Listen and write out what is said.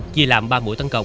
chỉ làm ba mũi tấn công